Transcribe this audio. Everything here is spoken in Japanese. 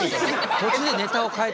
途中でネタを変えて。